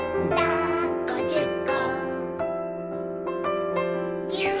「だっこじゅっこ」